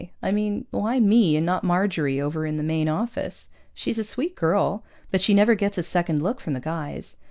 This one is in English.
I mean, why me and not Marjorie over in the Main Office? She's a sweet girl, but she never gets a second look from the guys.